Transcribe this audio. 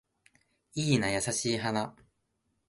いいな優しい花